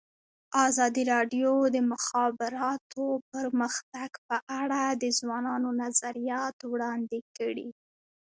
ازادي راډیو د د مخابراتو پرمختګ په اړه د ځوانانو نظریات وړاندې کړي.